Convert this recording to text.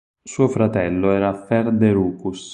Suo fratello era Ferderuchus.